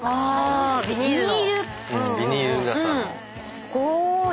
すごーい。